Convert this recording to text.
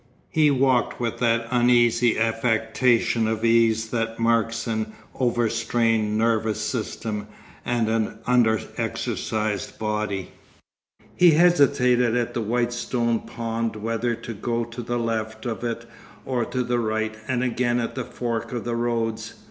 He walked with that uneasy affectation of ease that marks an overstrained nervous system and an under exercised body. He hesitated at the White Stone Pond whether to go to the left of it or the right, and again at the fork of the roads.